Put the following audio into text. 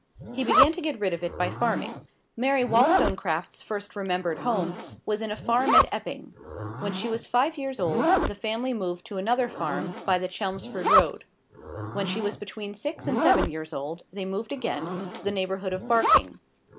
He began to get rid of it by farming. Mary Wollstonecraft's first remembered home was in a farm at Epping. When she was five years old the family moved to another farm, by the Chelmsford Road. When she was between six and seven years old they moved again, to the neighbourhood of Barking.